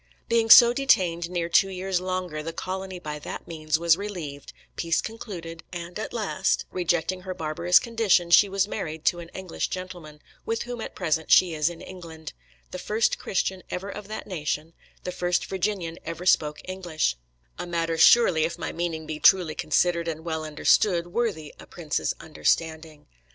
Being so detained near two years longer, the colony by that means was relieved, peace concluded, and at last, rejecting her barbarous condition, she was married to an English gentleman, with whom at present she is in England; the first Christian ever of that nation, the first Virginian ever spoke English: a matter surely, if my meaning be truly considered and well understood, worthy a prince's understanding.